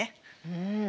うん。